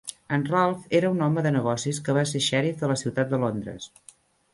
En Ralph era un home de negocis que va ser xèrif de la Ciutat de Londres.